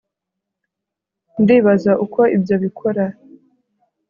ndibaza uko ibyo bikora